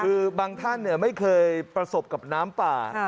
คือบางท่านไม่เคยประสบกับน้ำป่า